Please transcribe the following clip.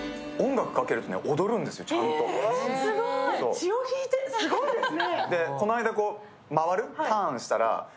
血を引いてる、すごいですね。